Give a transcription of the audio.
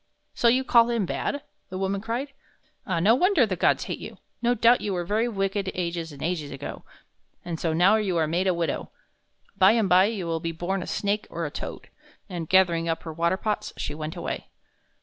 "So you call him bad?" the woman cried. "Ah, no wonder the gods hate you! No doubt you were very wicked ages and ages ago, and so now you are made a widow. By and by you will be born a snake or a toad." And, gathering up her water pots, she went away.